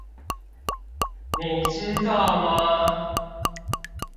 你知道嗎？